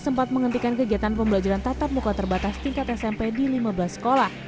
sempat menghentikan kegiatan pembelajaran tatap muka terbatas tingkat smp di lima belas sekolah